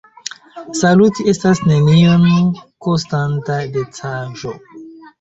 Saluti estas nenion kostanta decaĵo.